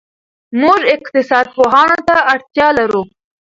موږ اقتصاد پوهانو ته اړتیا لرو.